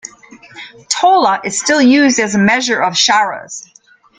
Tola is still used as a measure of charas.